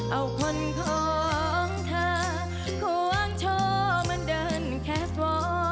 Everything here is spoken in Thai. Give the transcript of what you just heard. เอาคนของเธอคว้างโชคมันเดินแค่กว้อ